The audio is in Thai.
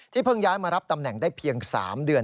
เพิ่งย้ายมารับตำแหน่งได้เพียง๓เดือน